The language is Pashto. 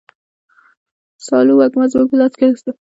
سالو وږمه زموږ په لاس کي نسته.